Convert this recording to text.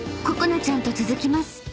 ここなちゃんと続きます］